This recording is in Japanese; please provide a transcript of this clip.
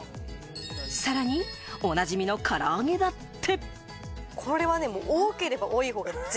さらに、おなじみの唐揚げだって。